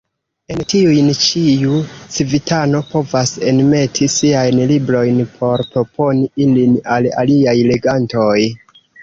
En tiujn ĉiu civitano povas enmeti siajn librojn por proponi ilin al aliaj legantoj.